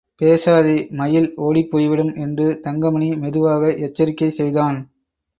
பேசாதே, மயில் ஓடிப்போய்விடும் என்று தங்கமணி மெதுவாக எச்சரிக்கை செய்தான்.